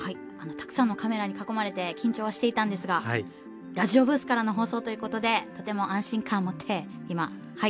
たくさんのカメラに囲まれて緊張はしていたんですがラジオブースからの放送ということでとても安心感を持って今座らせてもらってます。